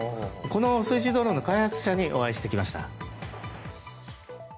この水中ドローンの開発者にお会いしてきました。